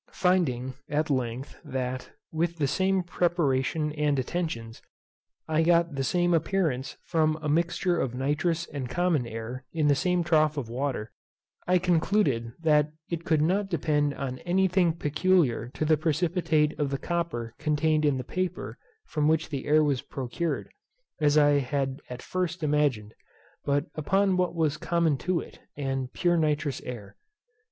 Finding, at length, that, with the same preparation and attentions, I got the same appearance from a mixture of nitrous and common air in the same trough of water, I concluded that it could not depend upon any thing peculiar to the precipitate of the copper contained in the paper from which the air was procured, as I had at first imagined, but upon what was common to it, and pure nitrous air.